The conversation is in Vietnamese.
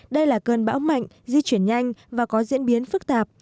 đây là cơn bão mạnh di chuyển nhanh và có diễn biến phức tạp